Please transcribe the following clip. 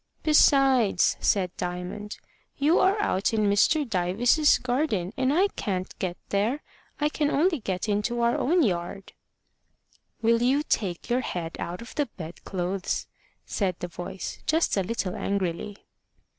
"Besides," said Diamond, "you are out in Mr. Dyves's garden, and I can't get there. I can only get into our own yard." "Will you take your head out of the bed clothes?" said the voice, just a little angrily.